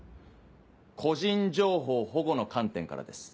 個人情報保護の観点からです。